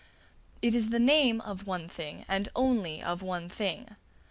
It is the name of one thing, and only of one thing.